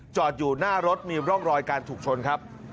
จอดอยู่หน้ารถมีร่องรอยการถูกชนครับ